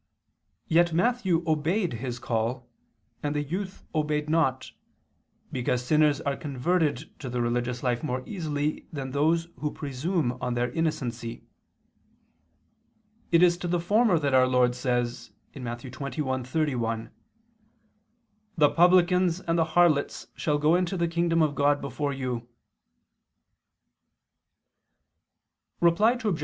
Yet Matthew obeyed His call, and the youth obeyed not, because sinners are converted to the religious life more easily than those who presume on their innocency. It is to the former that our Lord says (Matt. 21:31): "The publicans and the harlots shall go into the kingdom of God before you." Reply Obj.